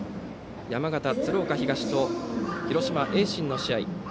山形・鶴岡東と広島・盈進の試合。